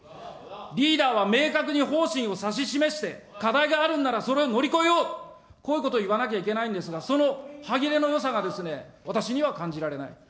リーダーは明確に方針を指し示して、課題があるんならそれを乗り越えよう、こういうことを言わなきゃいけないんですが、その歯切れのよさが私には感じられない。